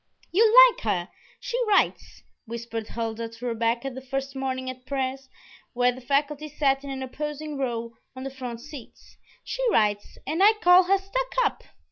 "You'll like her; she writes," whispered Huldah to Rebecca the first morning at prayers, where the faculty sat in an imposing row on the front seats. "She writes; and I call her stuck up."